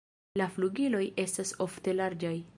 La flugiloj estas ofte larĝaj.